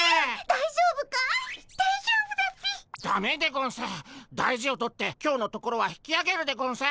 大事を取って今日のところは引きあげるでゴンス。